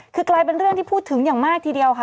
คือกลายเป็นเรื่องที่พูดถึงอย่างมากทีเดียวค่ะ